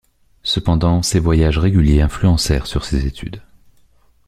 Cependant, ces voyages réguliers influencèrent sur ses études.